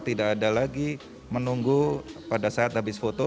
tidak ada lagi menunggu pada saat habis foto